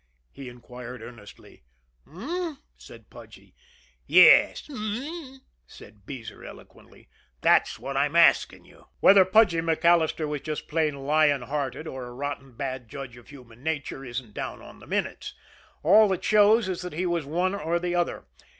he inquired earnestly. "H'm?" said Pudgy. "Yes h'm!" said Beezer eloquently. "That's what I'm asking you." Whether Pudgy MacAllister was just plain lion hearted, or a rotten bad judge of human nature isn't down on the minutes all that shows is that he was one or the other.